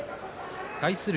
対する